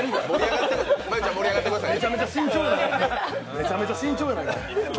めちゃめちゃ慎重やな。